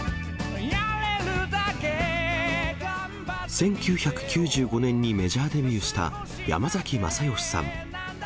１９９５年にメジャーデビューした、山崎まさよしさん。